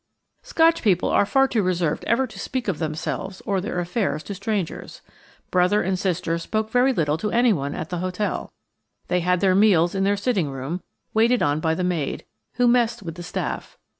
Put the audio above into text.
Scotch people are far too reserved ever to speak of themselves or their affairs to strangers. Brother and sister spoke very little to anyone at the hotel. They had their meals in their sitting room, waited on by the maid, who messed with the staff.